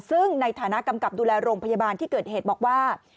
ซึ่งในฐานะกำกับดูแลโรงพยาบาลที่เกิดเหตุบอกว่า